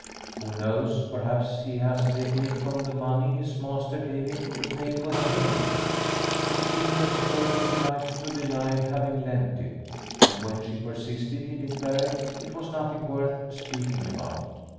Who knows, perhaps he has taken it from the money his master gave him to pay for the hay ! It seemed as though he would like to deny having lent it, and when she persisted, he de clared it was nothing worth speaking about.